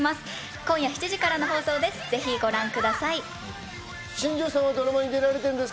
今夜７時からの放送です。